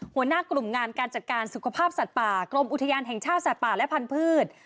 หัวหน้ากลุ่มงานการจัดการสุขภาพสัตว์ป่ากรมอุทยานแห่งชาติสัตว์ป่าและพันธุ์